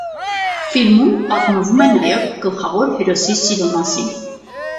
Ֆիլմում պատմվում է նաև գլխավոր հերոսի սիրո մասին։